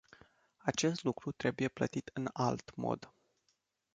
Acest lucru trebuie plătit în alt mod.